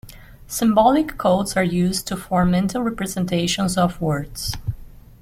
Symbolic codes are used to form mental representations of words.